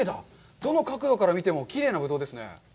どの角度から見てもきれいなぶどうですね。